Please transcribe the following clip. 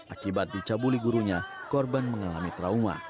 akibat dicabuli gurunya korban mengalami trauma